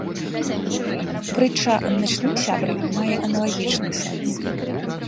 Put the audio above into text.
Прытча аб начным сябры мае аналагічны сэнс.